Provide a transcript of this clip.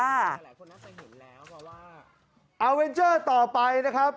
อาเวนเจอร์ต่อไปนะครับ